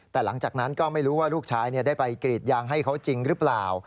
แต่หลังจากนั้นก็ไม่รู้ว่าลูกชายได้ไปกรีดยางให้เขาจริงหรือเปล่า